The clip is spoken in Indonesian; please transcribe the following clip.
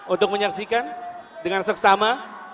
untuk menyaksikan dengan seksama